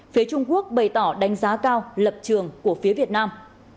phía trung quốc bày tỏ đánh giá cao lập trường của phía việt nam